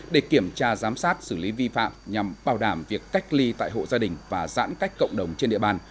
để kiểm tra giám sát xử lý vi phạm nhằm bảo đảm việc cách ly tại hộ gia đình và giãn cách cộng đồng trên địa bàn